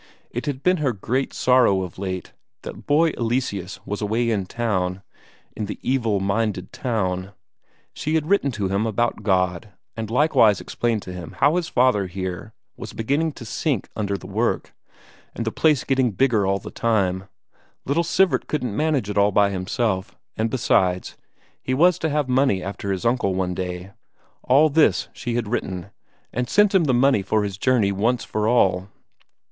It had been her great sorrow of late that boy Eleseus was away in town in the evil minded town; she had written to him about God, and likewise explained to him how his father here was beginning to sink under the work, and the place getting bigger all the time; little Sivert couldn't manage it all by himself, and besides, he was to have money after his uncle one day all this she had written, and sent him the money for his journey once for all.